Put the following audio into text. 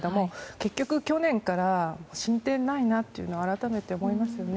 結局、去年から進展がないなというのを改めて思いますね。